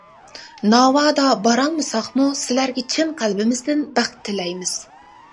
ناۋادا بارالمىساقمۇ سىلەرگە چىن قەلبىمىزدىن بەخت تىلەيمىز!